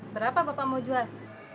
berapa bapak mau jual